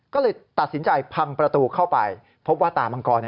ก็เลยตัดสินใจพังประตูเข้าไปพบว่าตามังกร